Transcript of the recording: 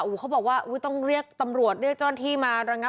อู่วเขาบอกว่าอุ้ยต้องเรียกตำรวจเรียกเจ้าต้นที่มา